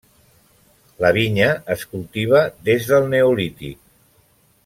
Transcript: La vinya es cultiva des del Neolític.